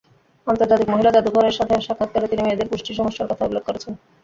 আন্তর্জাতিক মহিলা জাদুঘর এর সাথে সাক্ষাৎকারে তিনি মেয়েদের পুষ্টি সমস্যার কথা উল্লেখ করেছেন।